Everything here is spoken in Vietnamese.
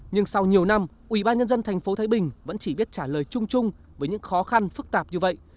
nhưng sau nhiều năm ủy ban nhân dân tp thái bình vẫn chỉ biết trả lời chung chung với những khó khăn phức tạp như vậy